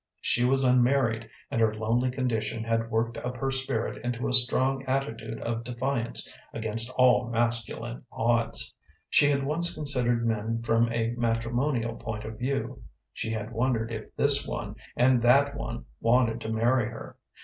She was unmarried, and her lonely condition had worked up her spirit into a strong attitude of defiance against all masculine odds. She had once considered men from a matrimonial point of view. She had wondered if this one and that one wanted to marry her.